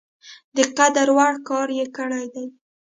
د قدر وړ کار یې کړی دی.